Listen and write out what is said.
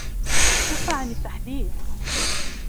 كف عن التحديق.